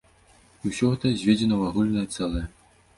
І ўсё гэта зведзена ў агульнае цэлае.